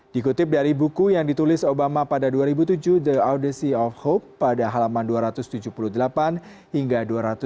dikutip dari buku yang ditulis obama pada dua ribu tujuh the audisi of hope pada halaman dua ratus tujuh puluh delapan hingga dua ratus tujuh puluh